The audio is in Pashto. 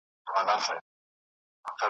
زما له شمعي سره مینه شمع زما په مینه ښکلې `